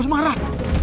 si bos marah